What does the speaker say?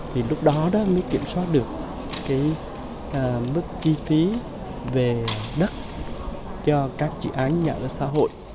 thì lúc đó đó mới kiểm soát được cái mức chi phí về đất cho các dự án nhà ở xã hội